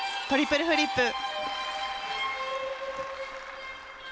トリプルフリップ。